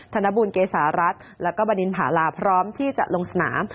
ธนบุญเกษารัฐแล้วก็บดินผาลาพร้อมที่จะลงสนาม